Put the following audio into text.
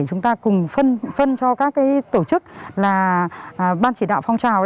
chúng ta cùng phân cho các tổ chức là ban chỉ đạo phong trào